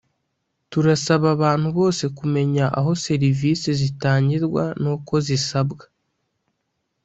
Turasaba abantu bose kumenya aho serivisi zitangirwa n’uko zisabwa